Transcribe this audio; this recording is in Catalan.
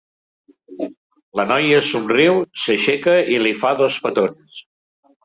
La noia somriu, s'aixeca i li fa dos petons.